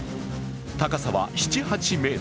高さは７８ｍ。